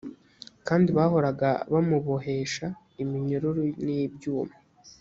kandi bahoraga bamubohesha iminyururu n’ibyuma